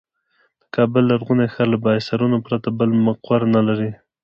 د کابل لرغوني ښار له بالاحصار پرته بل مقر نه درلود.